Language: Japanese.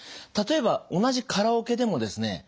例えば同じカラオケでもですね